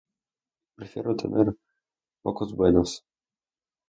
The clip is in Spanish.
Prefiero tener pocos buenos.